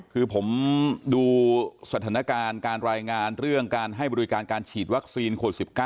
คือผมดูสถานการณ์การรายงานเรื่องการให้บริการการฉีดวัคซีนโควิด๑๙